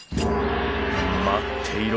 待っていろ！